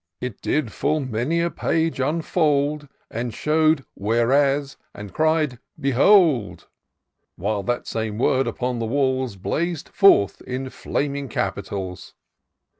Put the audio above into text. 331 It did full many a page unfold, And show'd WL^mBSf and cried, ' Behold !* While that same word upon the walls Blaz'd forth in flaming Capitals.